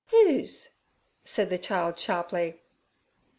'Whose?' said the child sharply.